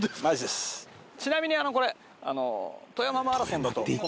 ちなみにこれ。